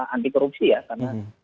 anti korupsi ya karena